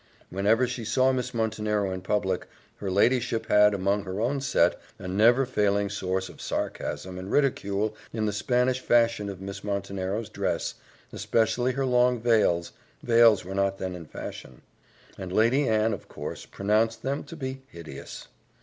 Whenever she saw Miss Montenero in public, her ladyship had, among her own set, a never failing source of sarcasm and ridicule in the Spanish fashion of Miss Montenero's dress, especially her long veils veils were not then in fashion, and Lady Anne of course pronounced them to be hideous.